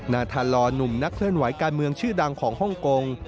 นาธาลอหนุ่มนักเคลื่อนไหวการเมืองชื่อดังของฮ่องกง